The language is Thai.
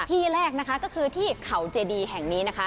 ที่แรกนะคะก็คือที่เขาเจดีแห่งนี้นะคะ